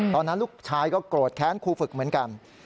ตอนนั้นลูกชายก็โกรธแค้นครูฝึกเหมือนกัน